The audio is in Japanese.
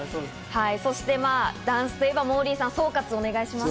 そしてダンスといえばモーリーさん、総括をお願いします。